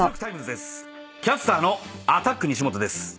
キャスターのアタック西本です。